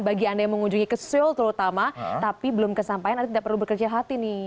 bagi anda yang mengunjungi ke seoul terutama tapi belum kesampaian anda tidak perlu bekerja hati nih